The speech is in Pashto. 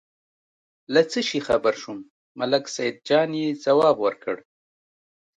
له څه شي خبر شوم، ملک سیدجان یې ځواب ورکړ.